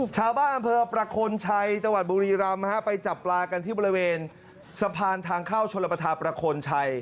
ชาวบ้านอำเภอประโคนชัยจังหวัดบุรีรำไปจับปลากันที่บริเวณสะพานทางเข้าชนประธาประโคนชัย